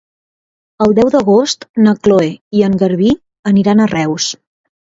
El deu d'agost na Cloè i en Garbí aniran a Reus.